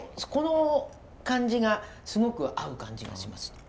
この感じがすごく合う感じがします。